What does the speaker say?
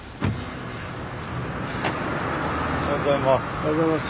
おはようございます。